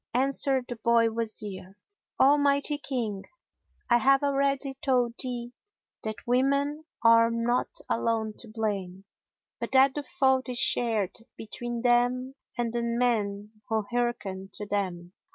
Answered the boy Wazir, "O mighty King, I have already told thee that women are not alone to blame, but that the fault is shared between them and the men who hearken to them.